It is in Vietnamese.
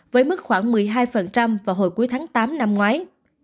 với mức khoảng một mươi hai vào hồi cuối tháng tám năm ngoái